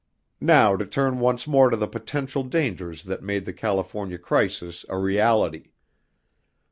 Now to turn once more to the potential dangers that made the California crisis a reality.